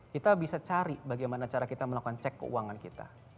kita bisa cari bagaimana cara kita melakukan cek keuangan kita